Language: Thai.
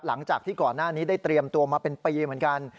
หลังจากที่ก่อนหน้านี้ได้เตรียมตัวมาเป็นปีเหมือนกัน